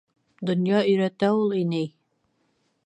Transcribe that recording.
— Донъя өйрәтә ул, инәй.